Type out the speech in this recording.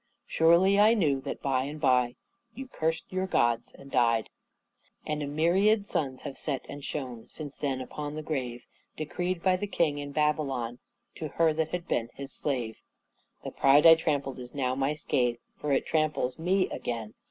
Surely I knew that by and by You cursed your gods and died. And a myriad suns have set and shone Since then upon the grave Decreed by the King in Babylon To her that had been his Slave. The pride I trampled is now my scathe, For it tramples me again.